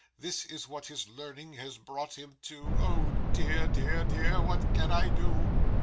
This is what his learning has brought him to. Oh dear, dear, dear, what can I do!